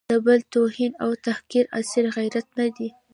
د بل توهین او تحقیر اصیل غیرت نه دی.